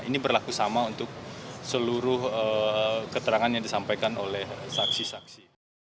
ini berlaku sama untuk seluruh keterangan yang disampaikan oleh saksi saksi